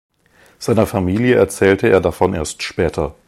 Seiner Familie erzählte er davon erst später.